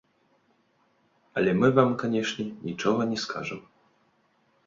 Але мы вам, канешне, нічога не скажам.